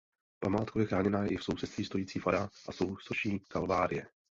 Památkově chráněná je i v sousedství stojící fara a sousoší Kalvárie.